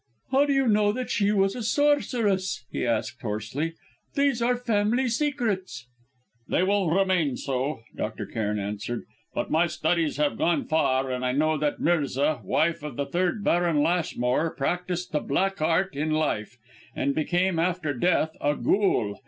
"How do you know that she was a sorceress?" he asked, hoarsely. "These are family secrets." "They will remain so," Dr. Cairn answered. "But my studies have gone far, and I know that Mirza, wife of the third Baron Lashmore, practised the Black Art in life, and became after death a ghoul.